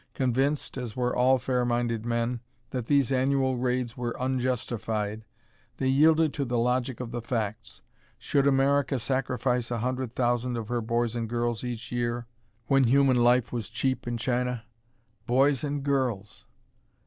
Convinced, as were all fair minded men, that these annual raids were unjustified, they yielded to the logic of the facts. Should America sacrifice a hundred thousand of her boys and girls each year, when human life was cheap in China? _Boys and girls!